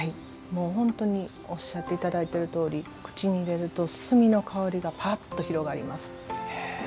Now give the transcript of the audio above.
もう本当におっしゃって頂いているとおり口に入れると炭の香りがパッと広がります。